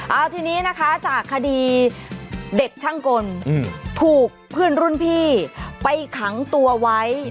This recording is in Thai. เอาทีนี้นะคะจากคดีเด็กช่างกลถูกเพื่อนรุ่นพี่ไปขังตัวไว้